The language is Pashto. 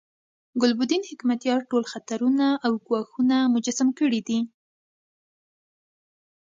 ګلبدین حکمتیار ټول خطرونه او ګواښونه مجسم کړي دي.